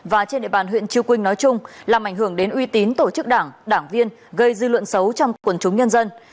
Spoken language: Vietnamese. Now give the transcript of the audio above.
và trên địa bàn huyện chư quynh nói chung làm ảnh hưởng đến uy tín tổ chức đảng đảng viên gây dư luận xấu trong quần chúng nhân dân